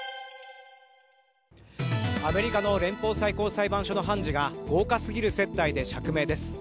アメリカの連邦最高裁判所の判事が豪華すぎる接待で釈明です。